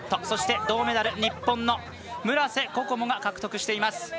そして銅メダルに日本の村瀬心椛が獲得しています。